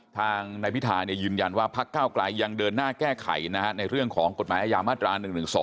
ทางนายพิธายืนยันว่าพักเก้าไกลยังเดินหน้าแก้ไขในเรื่องของกฎหมายอาญามาตรา๑๑๒